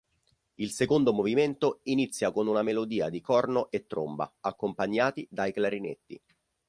Il secondo movimento inizia con una melodia di corno e tromba, accompagnati dai clarinetti.